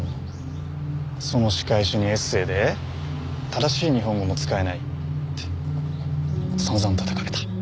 その仕返しにエッセーで正しい日本語も使えないって散々たたかれた。